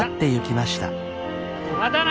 またな！